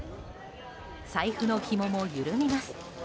財布のひもも緩みます。